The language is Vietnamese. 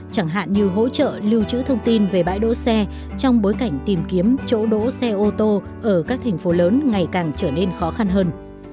chẳng hạn như hỗ trợ lưu trữ thông tin về bãi đỗ xe trong bối cảnh tìm kiếm chỗ đỗ xe ô tô ở các thành phố lớn ngày càng trở nên khó khăn hơn